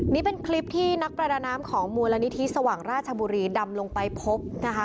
นี่เป็นคลิปที่นักประดาน้ำของมูลนิธิสว่างราชบุรีดำลงไปพบนะคะ